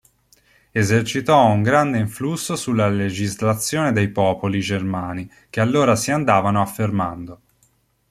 Esercitò un grande influsso sulla legislazione dei popoli germani che allora si andavano affermando.